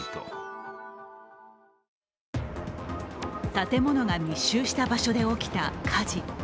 建物が密集した場所で起きた火事。